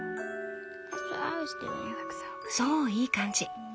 そういい感じ。